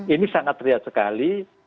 ini sangat terlihat sekali